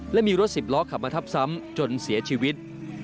และมีรถสิบล้อขับมาทับซ้ำจนเสียชีวิต